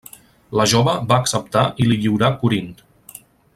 La jove va acceptar i li lliurà Corint.